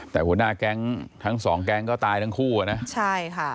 แต่หัวหน้าแก๊งทั้งสองแก๊งก็ตายทั้งคู่อ่ะนะใช่ค่ะ